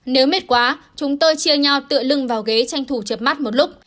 nếu mệt quá chúng tôi chia nhau tự lưng vào ghế tranh thủ chập mắt một lúc